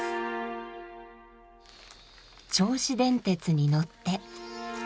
銚子電鉄に乗って。